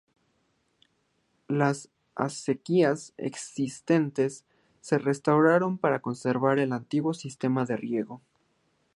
Las acequias existentes se restauraron para conservar el antiguo sistema de riego.